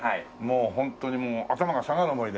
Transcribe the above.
ホントにもう頭が下がる思いで。